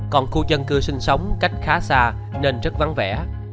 còn khu dân cư sinh sống cách khá xa nên rất vắng vẻ